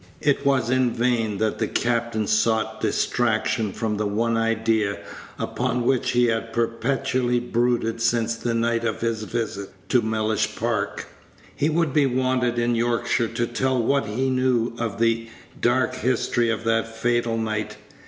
It was in vain that the captain sought distraction from the one idea upon which he had perpetually brooded since the night of his visit to Mellish Park. He would be wanted in Yorkshire to tell what he knew of the dark history of that fatal night.